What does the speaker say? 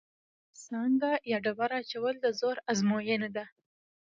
سانګه یا ډبره اچول د زور ازموینه ده.